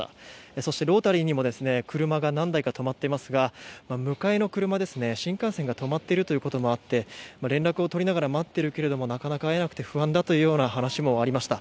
そしてローターリーにも車が何台か止まっていますが向かいの車、新幹線が止まっているということもあって連絡を取りながら待っているけれどもなかなか会えなくて不安だというような話もありました。